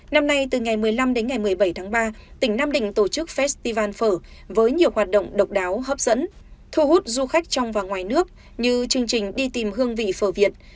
năm nay từ ngày một mươi năm đến ngày một mươi bảy tháng ba tỉnh nam định tổ chức festival phở với nhiều hoạt động độc đáo hấp dẫn thu hút du khách trong và ngoài nước như chương trình đi tìm hương vị phở việt